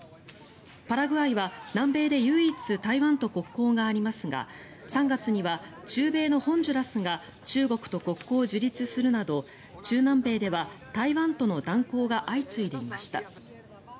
パラグアイは南米で唯一台湾と国交がありますが３月には中米のホンジュラスが中国と国交樹立するなど中南米では台湾との断交が相次いでいました。